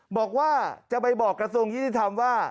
บอกว่าจะไปบอกกระทรวงยุติธรรมว่า